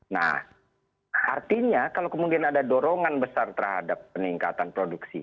nah artinya kalau kemudian ada dorongan besar terhadap peningkatan produksi